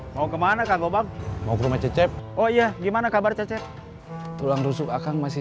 mau kemana kang obak mau ke rumah cecep oh iya gimana kabar cecep tulang rusuk akang masih